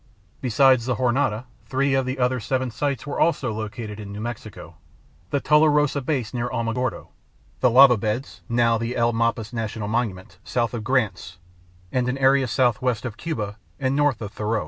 Besides the Jornada, three of the other seven sites were also located in New Mexico: the Tularosa Basin near Alamogordo, the lava beds (now the El Malpais National Monument) south of Grants, and an area southwest of Cuba and north of Thoreau.